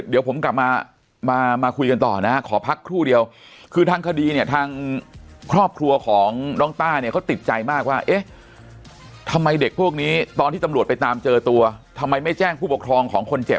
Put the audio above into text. เดี๋ยวผมกลับมามาคุยกันต่อนะขอพักครู่เดียวคือทางคดีเนี่ยทางครอบครัวของน้องต้าเนี่ยเขาติดใจมากว่าเอ๊ะทำไมเด็กพวกนี้ตอนที่ตำรวจไปตามเจอตัวทำไมไม่แจ้งผู้ปกครองของคนเจ็บ